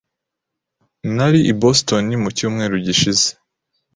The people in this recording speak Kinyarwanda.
Nari i Boston mu cyumweru gishize.